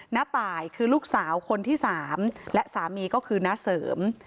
ตายคือลูกสาวคนที่๓และสามีก็คือน้าเสริม